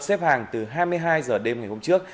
xếp hàng từ hai mươi hai h đêm ngày hôm trước